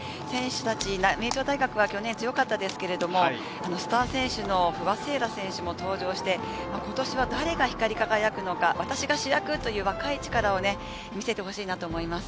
名城大学は去年強かったですけれど、スター選手の不破聖衣来選手も登場して、今年は誰が光り輝くのか、私が主役という若い力を見せてほしいなと思います。